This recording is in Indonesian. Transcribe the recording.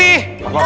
kamu kasar ya dong